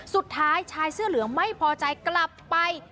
สุดท้ายชายเสื้อเหลืองไม่พอใจกลับไป